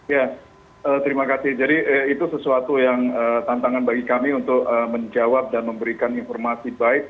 ya terima kasih jadi itu sesuatu yang tantangan bagi kami untuk menjawab dan memberikan informasi baik